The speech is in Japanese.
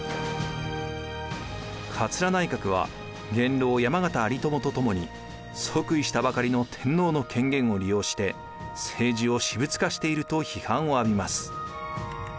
桂内閣は元老山県有朋とともに即位したばかりの天皇の権限を利用して政治を私物化していると批判を浴びます。